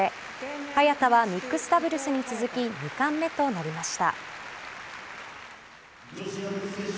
早田はミックスダブルスに続き２冠目となりました。